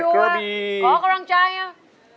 เจ้าหวัดเกอร์บีขอกำลังใจนะ